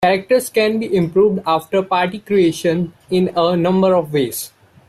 Characters can be improved after party creation in a number of ways.